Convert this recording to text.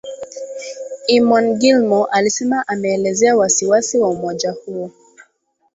Eamon Gilmore alisema ameelezea wasi wasi wa umoja huo